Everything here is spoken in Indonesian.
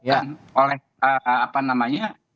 ini adalah konteks apa namanya